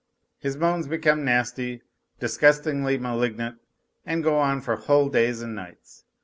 His moans become nasty, disgustingly malignant, and go on for whole days and nights.